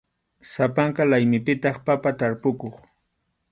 Sapanka laymipitaq papa tarpukuq.